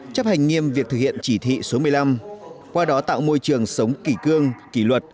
chấp hành nghiêm việc thực hiện chỉ thị số một mươi năm qua đó tạo môi trường sống kỷ cương kỷ luật